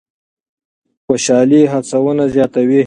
خوشالي هڅونه زیاتوي.